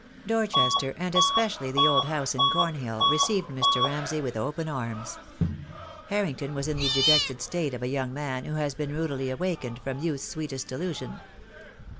Dorchester, and especially the old house in Cornhill, received Mr. Ramsay with open arms. Harrington was in the dejected state of a young man who has been rudely awakened from youth's sweetest delusion.